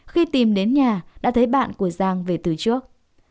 khi tìm đến nhà đã thấy bạn của giang về từ trước